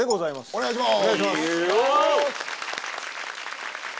お願いします。